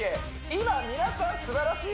今皆さんすばらしい！